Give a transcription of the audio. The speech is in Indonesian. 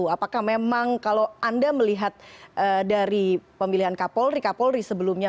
apakah memang kalau anda melihat dari pemilihan kapolri kapolri sebelumnya